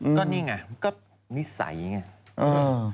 ก็นี่ไงนี้ใสไง